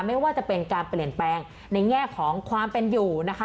ไม่ว่าจะเป็นการเปลี่ยนแปลงในแง่ของความเป็นอยู่นะคะ